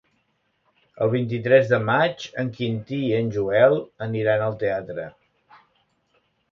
El vint-i-tres de maig en Quintí i en Joel aniran al teatre.